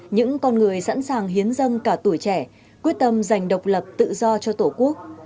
những con người sẵn sàng hiến dân cả tuổi trẻ quyết tâm giành độc lập tự do cho tổ quốc